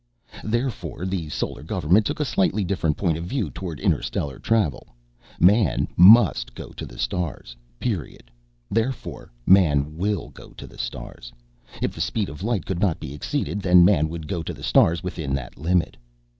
Therefore, the Solar Government took a slightly different point of view towards interstellar travel Man must go to the stars. Period. Therefore, Man will go to the stars. If the speed of light could not be exceeded, then Man would go to the stars within that limit.